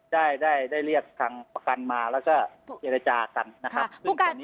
ได้ได้เรียกทางประกันมาแล้วก็เจรจากันนะครับ